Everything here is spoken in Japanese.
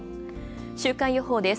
週間予報です。